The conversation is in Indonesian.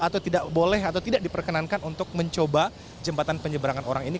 atau tidak boleh atau tidak diperkenankan untuk mencoba jembatan penyeberangan orang ini